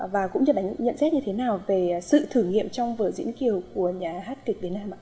và cũng như bà nhận xét như thế nào về sự thử nghiệm trong vở diễn kiều của nhà hát kịch việt nam ạ